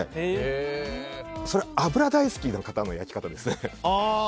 それ、脂大好きな方の焼き方ですね。